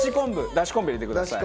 出汁昆布入れてください。